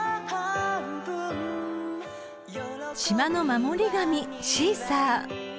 ［島の守り神シーサー］